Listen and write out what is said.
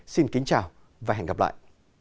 xin kính chào và hẹn gặp lại